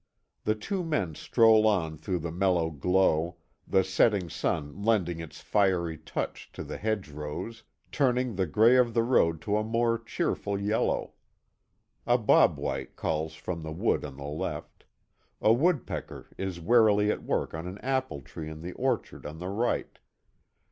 The two men stroll on through the mellow glow, the setting sun lending its fiery touch to the hedge rows, turning the gray of the road to a more cheerful yellow. A bob white calls from the wood on the left; a wood pecker is warily at work in an apple tree in the orchard on the right.